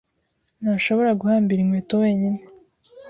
ntashobora guhambira inkweto wenyine.